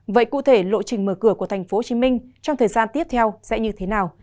vậy cụ thể lộ trình mở cửa của tp hcm trong thời gian tiếp theo sẽ như thế nào